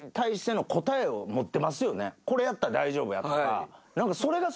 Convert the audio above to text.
これやったら大丈夫やとか。